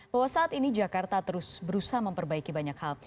bahwa saat ini jakarta terus berusaha memperbaiki banyak hal